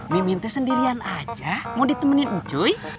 mimin teh sendirian aja mau ditemenin ncuy